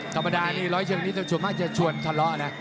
ธรรมดานี่ร้อยเชิงนี้ส่วนมากจะชวนทะเลาะนะ